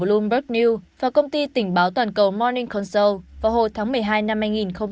bloomberg news và công ty tỉnh báo toàn cầu morning consult vào hồi tháng một mươi hai năm hai nghìn hai mươi ba